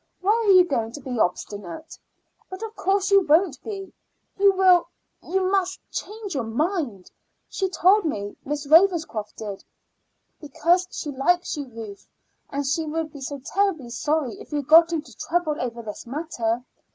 Why are you going to be so obstinate? But of course you won't be. You will you must change your mind. She told me Miss Ravenscroft did because she likes you, Ruth, and she would be so terribly sorry if you got into trouble over this matter.